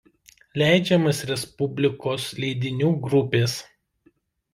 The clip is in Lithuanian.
Leidžiamas Respublikos leidinių grupės.